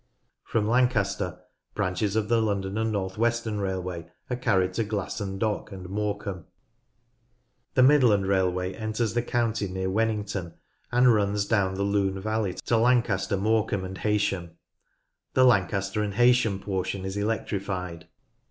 From Lancaster branches of the London and North Western railway are carried to Glasson Dock and Morecambe. The Midland railway enters the county near Wen nington and runs down the Lune valley to Lancaster, Morecambe, and Heysham. The Lancaster and Heysham COMMUNICATIONS 145 portion is electrified.